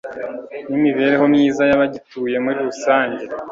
n'imibereho myiza y'abagituye muri rusange